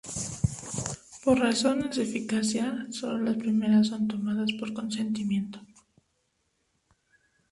Por razones de eficacia, solo las primeras son tomadas por consentimiento.